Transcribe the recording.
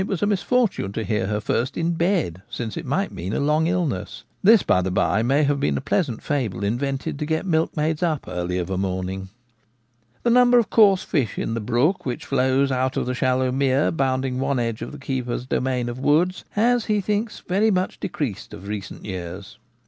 85 was a misfortune to hear her first in bed, since it might mean a long illness. This, by the by, may have been a pleasant fable invented to get milkmaids up early of a morning. The number of coarse fish in the brook which flows out of the shallow mere bounding one edge of the keeper's domain of woods has, he thinks, very much decreased of recent years.